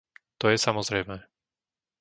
To je samozrejmé.